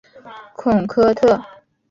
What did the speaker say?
孔科特。